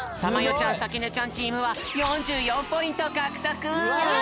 ちゃんさきねちゃんチームは４４ポイントかくとく！